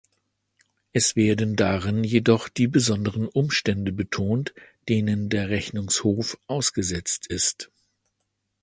Es werden darin jedoch die besonderen Umstände betont, denen der Rechnungshof ausgesetzt ist.